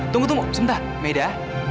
tunggu tunggu sebentar maida